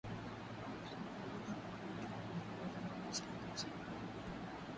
kupunguka kwa moto kumesababisha acacia kuwa imara